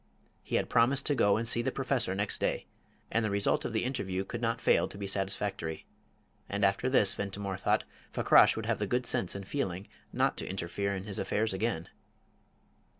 He had promised to go and see the Professor next day, and the result of the interview could not fail to be satisfactory. And after this, Ventimore thought, Fakrash would have the sense and good feeling not to interfere in his affairs again.